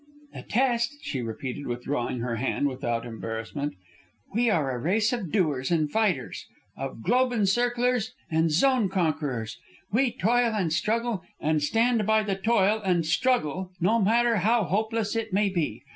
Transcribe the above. "The test," she repeated, withdrawing her hand without embarrassment. "We are a race of doers and fighters, of globe encirclers and zone conquerors. We toil and struggle, and stand by the toil and struggle no matter how hopeless it may be.